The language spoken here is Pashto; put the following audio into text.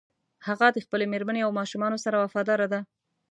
هغه د خپلې مېرمنې او ماشومانو سره وفاداره ده